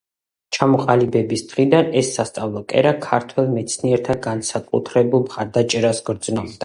ჩამოყალიბების დღიდან ეს სასწავლო კერა ქართველ მეცნიერთა განსაკუთრებულ მხარდაჭერას გრძნობდა.